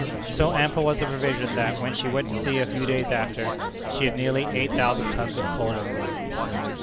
So ample was the provision, that, when she went to sea a few days after, she had nearly eight thousand tons of coal on board.